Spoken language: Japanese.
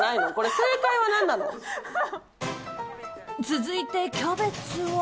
続いて、キャベツは。